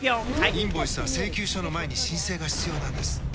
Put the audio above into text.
インボイスは請求書の前に申請が必要なんです。